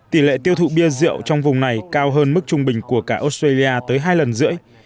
tỷ lệ tiêu thụ bia rượu trong vùng này cao hơn mức trung bình của cả australia tới hai lần rưỡi